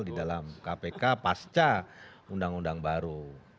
di dalam kpk pasca undang undang baru